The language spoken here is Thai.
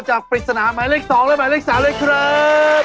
จากปริศนาหมายเลขสองและหมายเลขสามเลยครับ